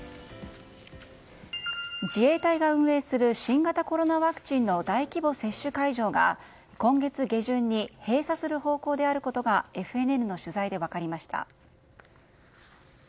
自衛隊が運営する新型コロナワクチンの大規模接種会場が今月下旬に閉鎖する方向であることがＦＮＮの取材で分かりました。